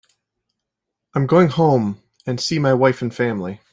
I'm going home and see my wife and family.